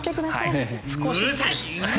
うるさい！